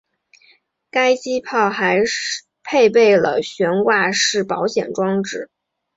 该机炮还配备了悬挂式保险装置。